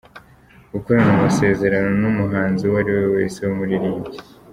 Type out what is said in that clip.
Gukorana amasezerano n’umuhanzi uwariwe wese w’umuririmbyi.